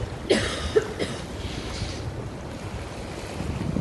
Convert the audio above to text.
Last.fm také dokáže tvořit profil podle toho co uživatel poslouchá na svém počítači.